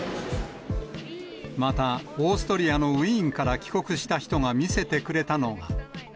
またオーストリアのウィーンから帰国した人が見せてくれたのが。